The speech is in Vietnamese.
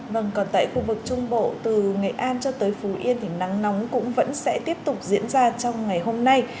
vâng còn tại khu vực trung bộ từ nghệ an cho tới phú yên thì nắng nóng cũng vẫn sẽ tiếp tục diễn ra trong ngày hôm nay